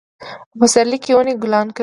په پسرلي کې ونې ګلان کوي